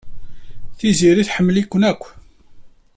Tiziri tḥemmel-iken akk.